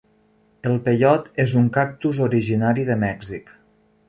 El peiot és un cactus originari de Mèxic.